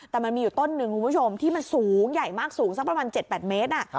แต่มันมีอยู่ต้นหนึ่งคุณผู้ชมที่มันสูงใหญ่มากสูงสักประมาณ๗๘เมตร